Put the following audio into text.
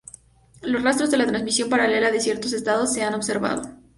Los rastros de la transmisión paralela de ciertos estados se han observado.